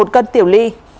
một cân tiểu ly